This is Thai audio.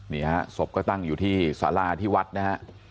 นี่ฮะศพก็ตั้งอยู่ที่สาราที่วัดนะฮะ